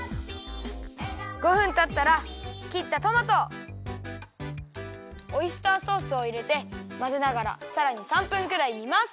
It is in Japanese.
５分たったらきったトマトオイスターソースをいれてまぜながらさらに３分くらいにます。